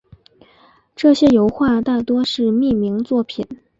这些油画大多是匿名作品。